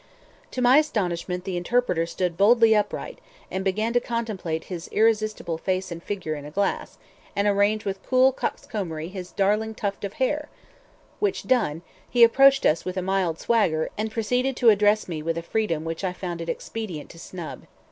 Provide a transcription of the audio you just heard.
To my astonishment the interpreter stood boldly upright, and began to contemplate his irresistible face and figure in a glass, and arrange with cool coxcombry his darling tuft of hair; which done, he approached us with a mild swagger, and proceeded to address me with a freedom which I found it expedient to snub.